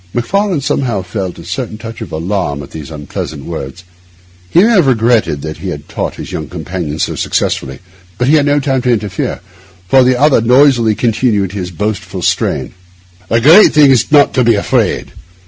Macfarlane somehow felt a certain touch of alarm at these unpleasant words. He may have regretted that he had taught his young companion so successfully, but he had no time to interfere, for the other noisily continued in this boastful strain:— 'The great thing is not to be afraid.